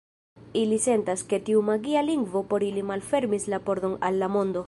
Ili sentas, ke tiu magia lingvo por ili malfermis la pordon al la mondo.